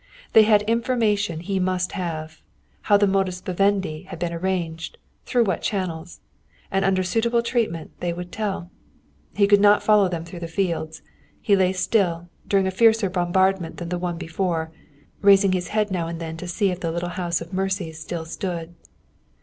They had information he must have how the modus vivendi had been arranged, through what channels. And under suitable treatment they would tell. He could not follow them through the fields. He lay still, during a fiercer bombardment than the one before, raising his head now and then to see if the little house of mercy still stood.